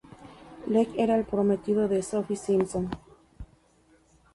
Blake era el prometido de Sophie Simpson.